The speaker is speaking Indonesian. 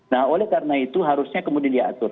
nah oleh karena itu harusnya kemudian diatur